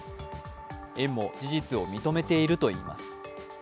園も事実を認めているといいます。